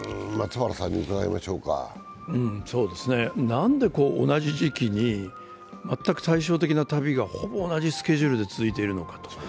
なんで同じ時期に全く対照的な旅がほぼ同じスケジュールで続いているのかと。